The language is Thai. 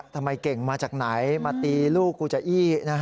ทำไมเก่งมาจากไหนมาตีลูกกูจะอี้